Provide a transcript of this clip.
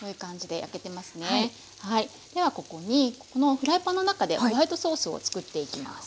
ではここにこのフライパンの中でホワイトソースを作っていきます。